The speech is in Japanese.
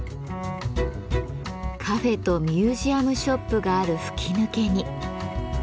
カフェとミュージアムショップがある吹き抜けに。